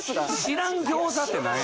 知らん餃子って何や？